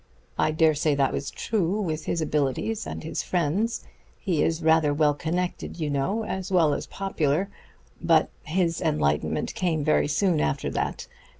I dare say that was true, with his abilities and his friends; he is rather well connected, you know, as well as popular. But his enlightenment came very soon after that.